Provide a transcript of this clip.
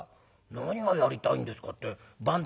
「何がやりたいんですかって番台頭」。